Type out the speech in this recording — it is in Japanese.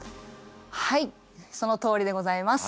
はいそのとおりでございます。